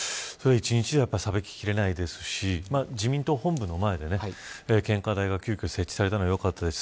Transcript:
一日では、さばききれないですし自民党本部前で献花台が急きょ設置されたのはよかったです。